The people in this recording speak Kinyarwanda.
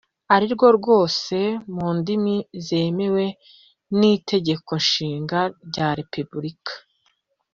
ari rwo rwose mu ndimi zemewe n’Itegeko Nshinga rya Repubulika